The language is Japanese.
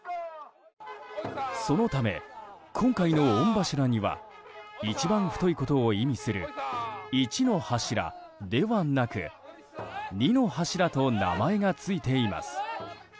そのため、今回の御柱には一番太いことを意味する一之御柱ではなく二之御柱と名前がついています。